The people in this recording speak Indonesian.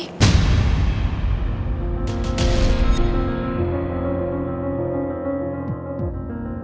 kamu ada di sini